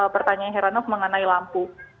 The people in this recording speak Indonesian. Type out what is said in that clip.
pertanyaan heranov mengenai lampu